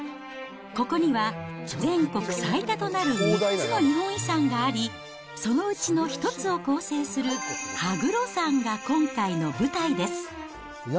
ここには、全国最多となる３つの日本遺産があり、そのうちの１つを構成する羽黒山が今回の舞台です。